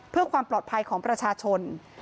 เพื่อความปลอดภัยของประชาชน